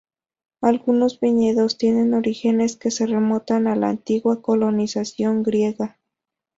Algunos viñedos tienen orígenes que se remontan a la antigua colonización griega.